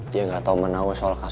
dia gak tau menawar soal kasus perangai